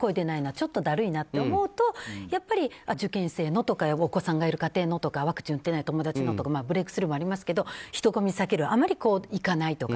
ちょっとだるいなと思うとやっぱり、受験生のとかお子さんがいる家庭とかワクチン打てないお友達とかブレークスルーもありますけど人混みを避けるあまり行かないとか。